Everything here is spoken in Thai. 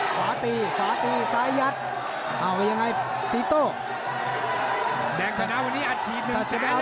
สาธิสายัดเอาไปยังไงตีโตแดงสานะวันนี้อาจฉีดหนึ่งแสน